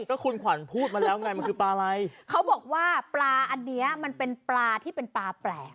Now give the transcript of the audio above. ก็คุณขวัญพูดมาแล้วไงมันคือปลาอะไรเขาบอกว่าปลาอันเนี้ยมันเป็นปลาที่เป็นปลาแปลก